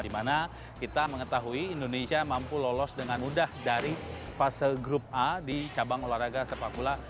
dimana kita mengetahui indonesia mampu lolos dengan mudah dari fase grup a di cabang olahraga sepak bola